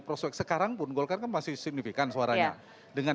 prospek sekarang pun golkar kan masih signifikan suaranya